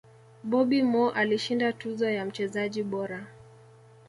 bobby Moore alishinda tuzo ya mchezaji bora